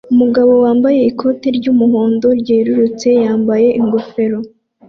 Umugabo wambaye ikoti ry'umuhondo ryerurutse yambaye ingofero